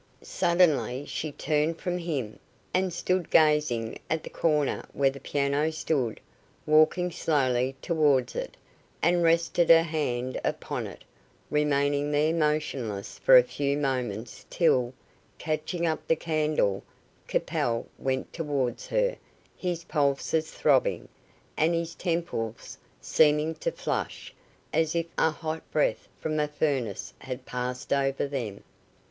Suddenly she turned from him, and stood gazing at the corner where the piano stood, walked slowly towards it, and rested her hand upon it, remaining there motionless for a few moments till, catching up the candle, Capel went towards her, his pulses throbbing, and his temples seeming to flush as if a hot breath from a furnace had passed over them.